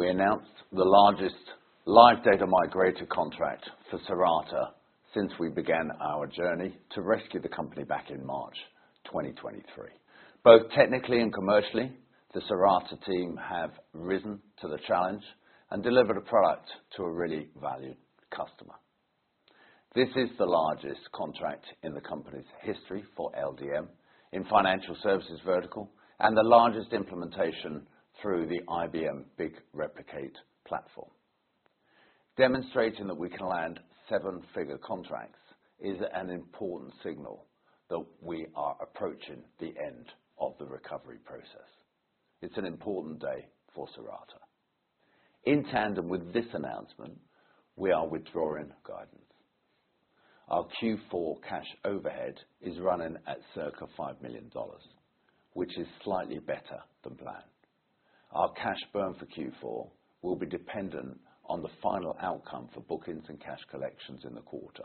We announced the largest Live Data Migrator contract for Cirata since we began our journey to rescue the company back in March 2023. Both technically and commercially, the Cirata team have risen to the challenge and delivered a product to a really valued customer. This is the largest contract in the company's history for LDM in financial services vertical and the largest implementation through the IBM Big Replicate platform. Demonstrating that we can land seven-figure contracts is an important signal that we are approaching the end of the recovery process. It's an important day for Cirata. In tandem with this announcement, we are withdrawing guidance. Our Q4 cash overhead is running at circa $5 million, which is slightly better than planned. Our cash burn for Q4 will be dependent on the final outcome for bookings and cash collections in the quarter.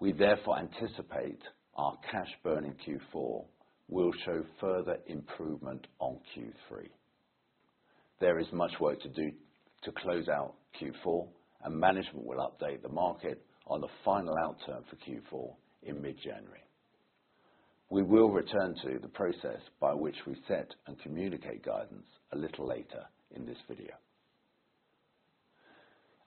We therefore anticipate our cash burn in Q4 will show further improvement on Q3. There is much work to do to close out Q4, and management will update the market on the final outturn for Q4 in mid-January. We will return to the process by which we set and communicate guidance a little later in this video.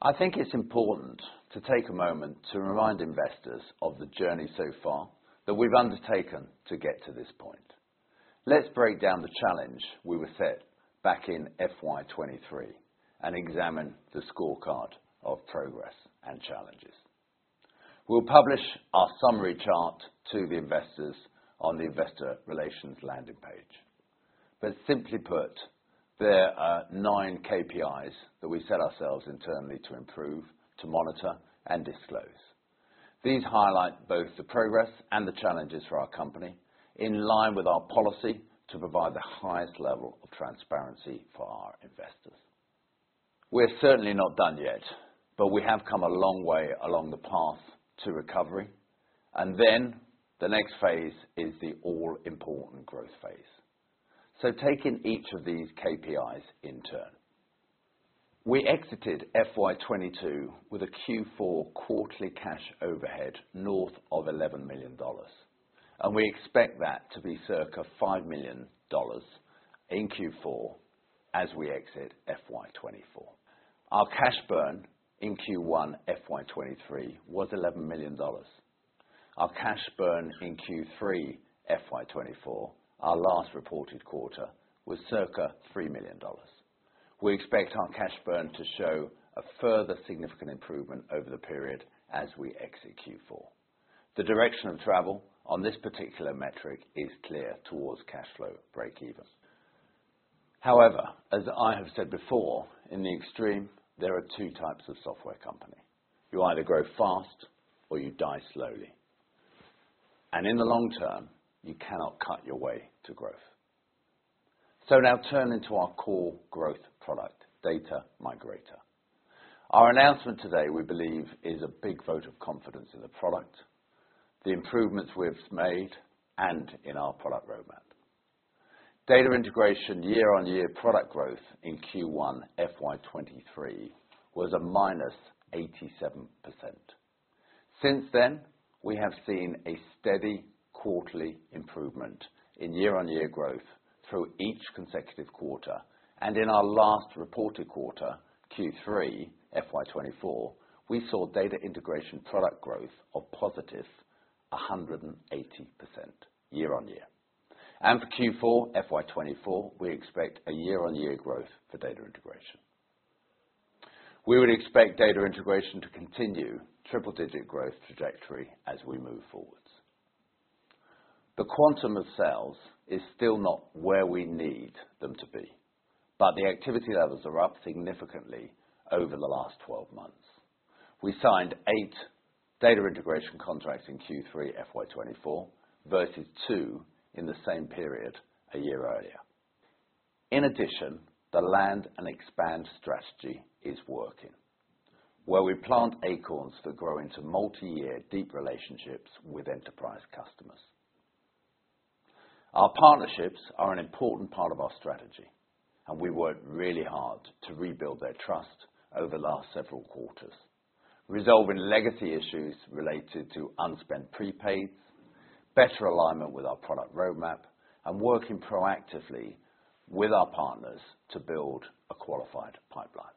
I think it's important to take a moment to remind investors of the journey so far that we've undertaken to get to this point. Let's break down the challenge we were set back in FY23 and examine the scorecard of progress and challenges. We'll publish our summary chart to the investors on the Investor Relations landing page. But simply put, there are nine KPIs that we set ourselves internally to improve, to monitor, and disclose. These highlight both the progress and the challenges for our company in line with our policy to provide the highest level of transparency for our investors. We're certainly not done yet, but we have come a long way along the path to recovery, and then the next phase is the all-important growth phase. So take in each of these KPIs in turn. We exited FY22 with a Q4 quarterly cash overhead north of $11 million, and we expect that to be circa $5 million in Q4 as we exit FY24. Our cash burn in Q1 FY23 was $11 million. Our cash burn in Q3 FY24, our last reported quarter, was circa $3 million. We expect our cash burn to show a further significant improvement over the period as we exit Q4. The direction of travel on this particular metric is clear towards cash flow breakevens. However, as I have said before, in the extreme, there are two types of software company. You either grow fast or you die slowly, and in the long term, you cannot cut your way to growth, so now turning to our core growth product, Data Migrator. Our announcement today, we believe, is a big vote of confidence in the product, the improvements we've made, and in our product roadmap. Data Integration year-on-year product growth in Q1 FY23 was a minus 87%. Since then, we have seen a steady quarterly improvement in year-on-year growth through each consecutive quarter, and in our last reported quarter, Q3 FY24, we saw Data Integration product growth of positive 180% year-on-year, and for Q4 FY24, we expect a year-on-year growth for Data Integration. We would expect Data Integration to continue triple-digit growth trajectory as we move forward. The quantum of sales is still not where we need them to be, but the activity levels are up significantly over the last 12 months. We signed eight Data Integration contracts in Q3 FY24 versus two in the same period a year earlier. In addition, the land and expand strategy is working, where we plant acorns for growing to multi-year deep relationships with enterprise customers. Our partnerships are an important part of our strategy, and we worked really hard to rebuild their trust over the last several quarters, resolving legacy issues related to unspent prepaids, better alignment with our product roadmap, and working proactively with our partners to build a qualified pipeline,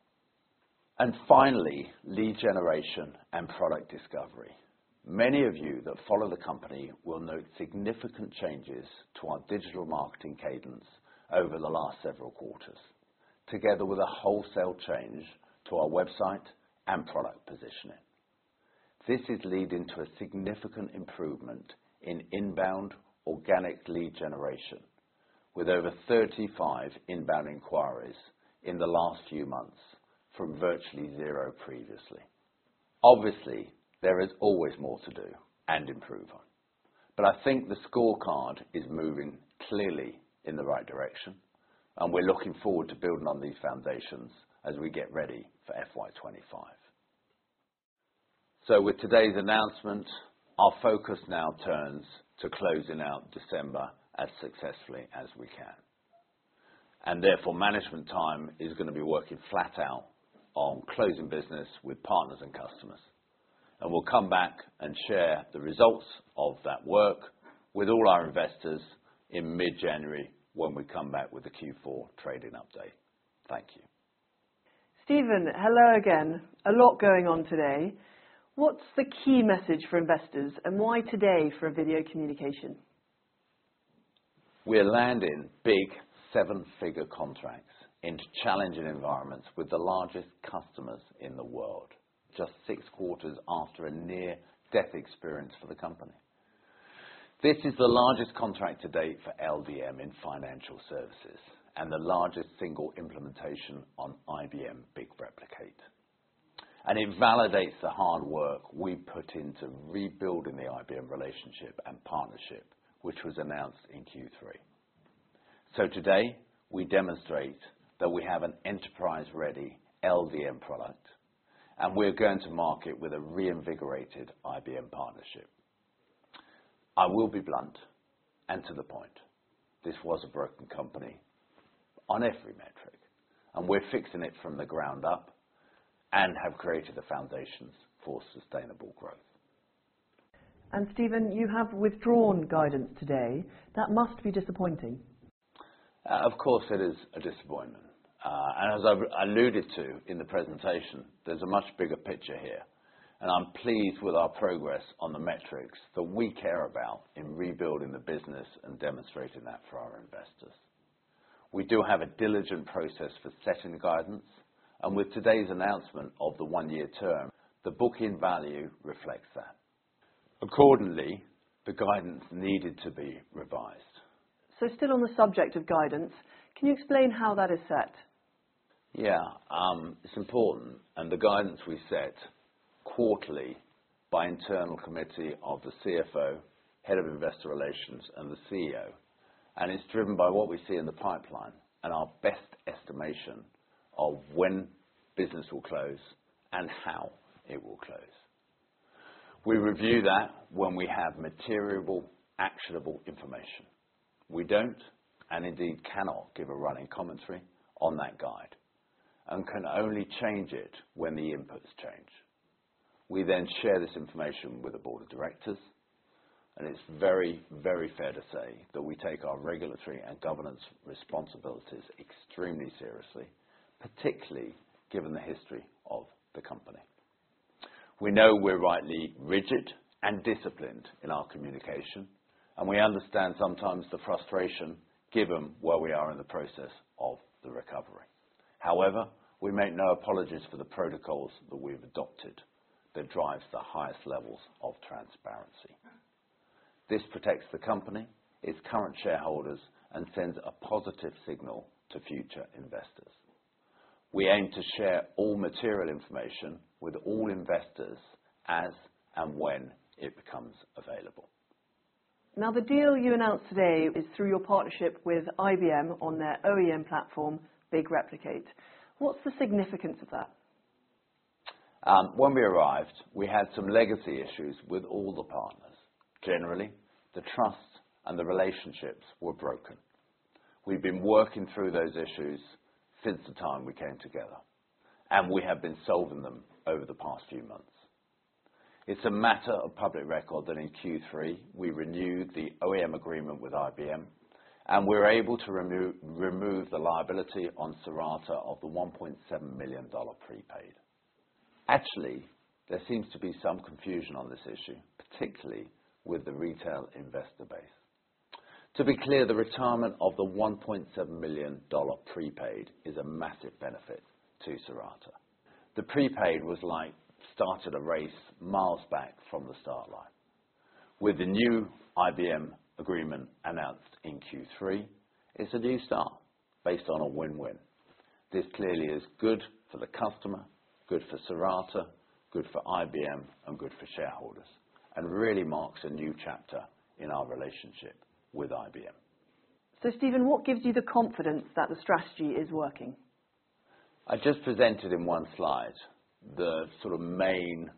and finally, lead generation and product discovery. Many of you that follow the company will note significant changes to our digital marketing cadence over the last several quarters, together with a wholesale change to our website and product positioning. This is leading to a significant improvement in inbound organic lead generation, with over 35 inbound inquiries in the last few months from virtually zero previously. Obviously, there is always more to do and improve on, but I think the scorecard is moving clearly in the right direction, and we're looking forward to building on these foundations as we get ready for FY25. So with today's announcement, our focus now turns to closing out December as successfully as we can, and therefore, management time is going to be working flat out on closing business with partners and customers. We'll come back and share the results of that work with all our investors in mid-January when we come back with the Q4 trading update. Thank you. Stephen, hello again. A lot going on today. What's the key message for investors and why today for a video communication? We're landing big seven-figure contracts into challenging environments with the largest customers in the world, just six quarters after a near-death experience for the company. This is the largest contract to date for LDM in financial services and the largest single implementation on IBM Big Replicate, and it validates the hard work we put into rebuilding the IBM relationship and partnership, which was announced in Q3, so today, we demonstrate that we have an enterprise-ready LDM product, and we're going to market with a reinvigorated IBM partnership. I will be blunt and to the point. This was a broken company on every metric, and we're fixing it from the ground up and have created the foundations for sustainable growth. Stephen, you have withdrawn guidance today. That must be disappointing. Of course, it is a disappointment, and as I alluded to in the presentation, there's a much bigger picture here, and I'm pleased with our progress on the metrics that we care about in rebuilding the business and demonstrating that for our investors. We do have a diligent process for setting guidance, and with today's announcement of the one-year term, the booking value reflects that. Accordingly, the guidance needed to be revised. Still on the subject of guidance, can you explain how that is set? Yeah. It's important, and the guidance we set quarterly by internal committee of the CFO, Head of Investor Relations, and the CEO, and it's driven by what we see in the pipeline and our best estimation of when business will close and how it will close. We review that when we have material actionable information. We don't and indeed cannot give a running commentary on that guide and can only change it when the inputs change. We then share this information with the board of directors, and it's very, very fair to say that we take our regulatory and governance responsibilities extremely seriously, particularly given the history of the company. We know we're rightly rigid and disciplined in our communication, and we understand sometimes the frustration given where we are in the process of the recovery. However, we make no apologies for the protocols that we've adopted that drive the highest levels of transparency. This protects the company, its current shareholders, and sends a positive signal to future investors. We aim to share all material information with all investors as and when it becomes available. Now, the deal you announced today is through your partnership with IBM on their OEM platform, Big Replicate. What's the significance of that? When we arrived, we had some legacy issues with all the partners. Generally, the trust and the relationships were broken. We've been working through those issues since the time we came together, and we have been solving them over the past few months. It's a matter of public record that in Q3, we renewed the OEM agreement with IBM, and we were able to remove the liability on Cirata of the $1.7 million prepaid. Actually, there seems to be some confusion on this issue, particularly with the retail investor base. To be clear, the retirement of the $1.7 million prepaid is a massive benefit to Cirata. The prepaid was like starting a race miles back from the start line. With the new IBM agreement announced in Q3, it's a new start based on a win-win. This clearly is good for the customer, good for Cirata, good for IBM, and good for shareholders, and really marks a new chapter in our relationship with IBM. So Stephen, what gives you the confidence that the strategy is working? I just presented in one slide the sort of main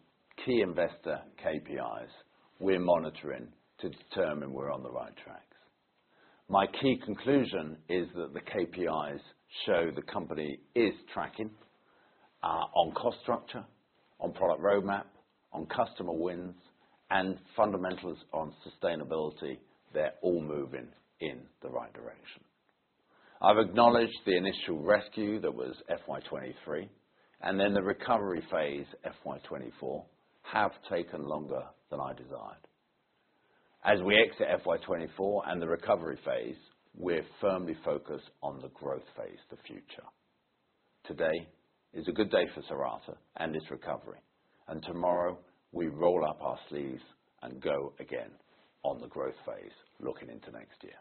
key investor KPIs we're monitoring to determine we're on the right tracks. My key conclusion is that the KPIs show the company is tracking on cost structure, on product roadmap, on customer wins, and fundamentals on sustainability. They're all moving in the right direction. I've acknowledged the initial rescue that was FY23, and then the recovery phase FY24 have taken longer than I desired. As we exit FY24 and the recovery phase, we're firmly focused on the growth phase, the future. Today is a good day for Cirata and its recovery, and tomorrow we roll up our sleeves and go again on the growth phase looking into next year.